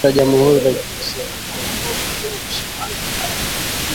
jeshi la jamhuri ya kidemokrasia ya Kongo kwa waandishi wa habari